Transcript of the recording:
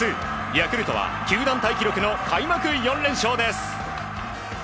ヤクルトは球団タイ記録の開幕４連勝です。